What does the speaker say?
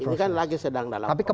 ini kan lagi sedang dalam